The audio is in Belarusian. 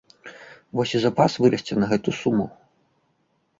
Вось запас і вырасце на гэтую суму.